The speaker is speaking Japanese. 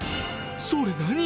それ何？